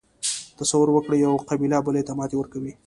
تصور وکړئ یوه قبیله بلې ته ماتې ورکوي.